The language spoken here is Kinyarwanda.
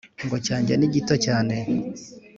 ngo cyanjye ni gito cyane